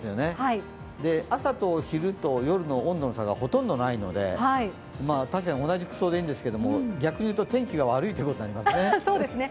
朝と昼と夜の温度の差がほとんどないので、確かに同じ服装でいいんですけども、逆に言うと天気が悪いということになりますね。